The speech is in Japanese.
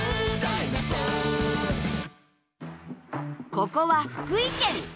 ここは福井県。